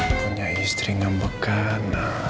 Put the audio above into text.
aku punya istri yang begana